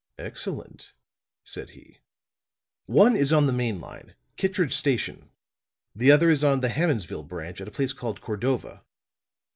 "Excellent," said he. "One is on the main line Kittridge Station; the other is on the Hammondsville Branch at a place called Cordova."